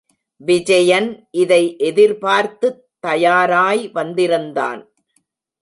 விஜயன் இதை எதிர்பார்த்துத் தயாராய் வந்திருந்தான்.